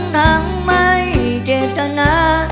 ทั้งไม่เจ็บตะหนา